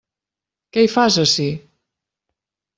Què hi fas, ací?